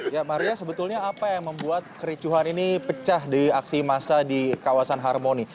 ya maria sebetulnya apa yang membuat kericuhan ini pecah di aksi massa di kawasan harmoni